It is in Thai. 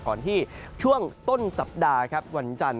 ก่อนที่ช่วงต้นสัปดาห์ครับวันจันทร์